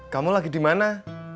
kamu lagi dimana